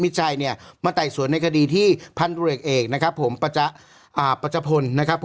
มาแต่สวนในคดีที่พันตูเกรกเอก